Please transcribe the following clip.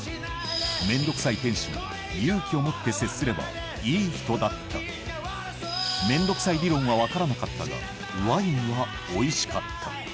めんどくさい店主に勇気を持って接すればいい人だっためんどくさい理論は分からなかったがワインはおいしかった